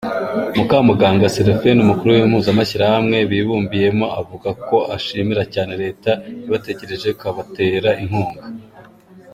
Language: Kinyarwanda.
Mukamuganga Seraphine, umukuru w’impuzamashyirahamwe bibumbiyemo avuga ko ashimira cyane Leta yabatekerejeho ikabatera inkunga.